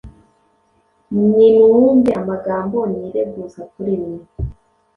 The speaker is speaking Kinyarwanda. nimwumve amagambo nireguza kuri mwe.’”